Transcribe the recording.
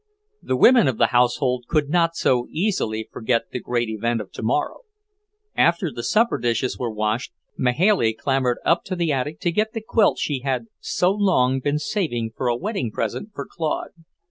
The women of the household could not so easily forget the great event of tomorrow. After the supper dishes were washed, Mahailey clambered up to the attic to get the quilt she had so long been saving for a wedding present for Claude.